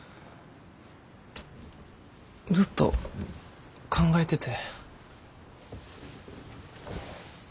ずっと考えてて。